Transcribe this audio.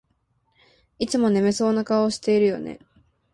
いつも眠そうな顔してるよね